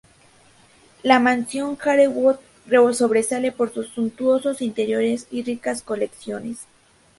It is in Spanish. La mansión Harewood sobresale por sus suntuosos interiores y ricas colecciones.